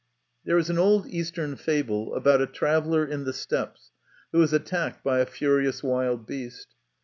There is an old Eastern fable about a traveller in the steppes who is attacked by a furious wild beast.